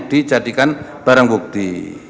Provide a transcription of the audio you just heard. dijadikan barang bukti